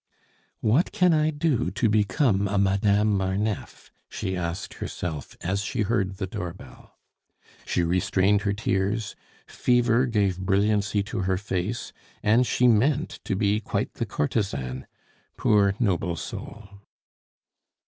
"What can I do to become a Madame Marneffe?" she asked herself as she heard the door bell. She restrained her tears, fever gave brilliancy to her face, and she meant to be quite the courtesan, poor, noble soul.